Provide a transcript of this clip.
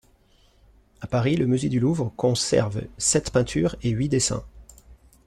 À Paris, le musée du Louvre conserve sept peintures et huit dessins.